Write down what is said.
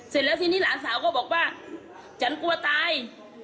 เสร็จแล้วทีนี้หลานสาวก็บอกว่าฉันกลัวตาย